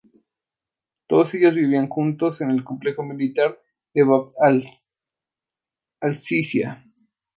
Todos ellos vivían juntos en el complejo militar de Bab al-Azizia.